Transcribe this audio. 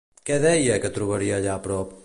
Què deia que trobaria allà a prop?